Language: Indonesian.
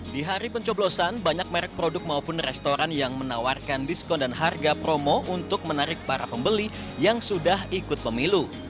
di hari pencoblosan banyak merek produk maupun restoran yang menawarkan diskon dan harga promo untuk menarik para pembeli yang sudah ikut pemilu